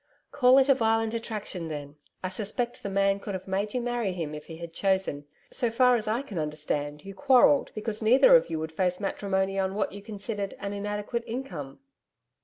'Call it a violent attraction, then. I suspect the man could have made you marry him if he had chosen. So far as I can understand, you quarrelled because neither of you would face matrimony on what you considered an inadequate income.'